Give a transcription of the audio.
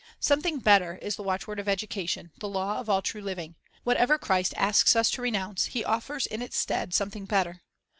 "Something better" is the watchword of educa tion, the law of all true living. Whatever Christ asks us to renounce, He offers in its stead something better.